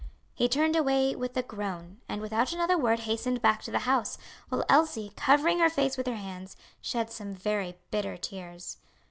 He turned away with a groan, and without another word hastened back to the house, while Elsie, covering her face with her hands, shed some very bitter tears.